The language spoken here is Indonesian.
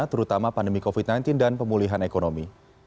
terutama pandemi covid sembilan belas dan pemulihan ekonomi